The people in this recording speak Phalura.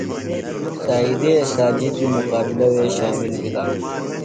سعیدے ساجد بیۡ مقابلہ وے شامل بِھلہ۔